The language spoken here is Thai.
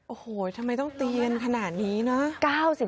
โอ้โหทำไมต้องเตียนขนาดนี้เนอะ